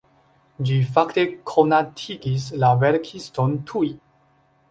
Ĝi fakte konatigis la verkiston tuj.